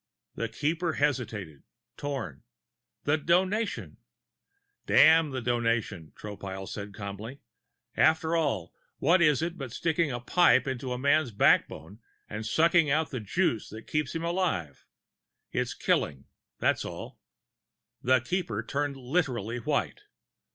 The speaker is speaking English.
The Keeper hesitated, torn. "The Donation " "Damn the Donation," Tropile said calmly. "After all, what is it but sticking a pipe into a man's backbone and sucking out the juice that keeps him alive? It's killing, that's all." The Keeper turned literally white.